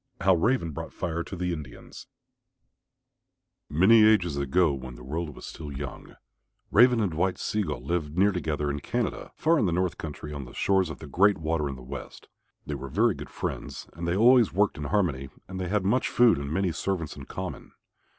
HOW RAVEN BROUGHT FIRE TO THE INDIANS Many ages ago when the world was still young, Raven and White Sea gull lived near together in Canada, far in the north country on the shores of the Great Water in the west. They were very good friends and they always worked in harmony and they had much food and many servants in common.